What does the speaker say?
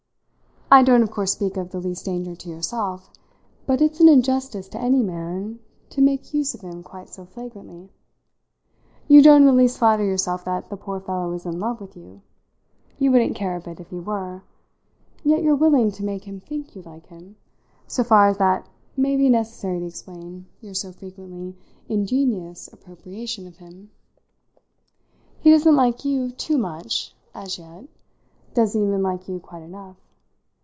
I don't of course speak of the least danger to yourself; but it's an injustice to any man to make use of him quite so flagrantly. You don't in the least flatter yourself that the poor fellow is in love with you you wouldn't care a bit if he were. Yet you're willing to make him think you like him, so far as that may be necessary to explain your so frequently ingenious appropriation of him. He doesn't like you too much, as yet; doesn't even like you quite enough.